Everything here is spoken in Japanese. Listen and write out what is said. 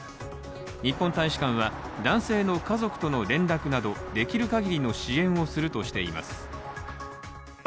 日本大使館は男性の家族との連絡などできるかぎりの支援をするとしています。